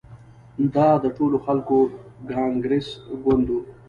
دا د ټولو خلکو کانګرس ګوند وو.